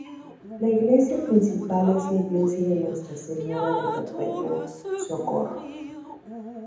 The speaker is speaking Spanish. La iglesia principal es la Iglesia de Nuestra Señora del Perpetuo Socorro.